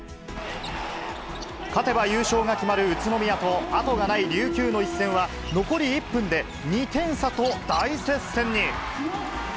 勝てば優勝が決まる宇都宮とあとがない琉球の一戦は、残り１分で、２点差と大接戦に。